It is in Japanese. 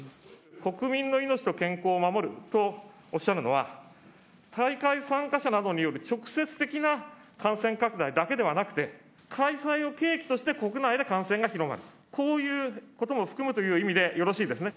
国民の命と健康を守るとおっしゃるのは、大会参加者などによる直接的な感染拡大だけではなくて、開催を契機として国内で感染が広がる、こういうことも含むという意味で意味でよろしいですね。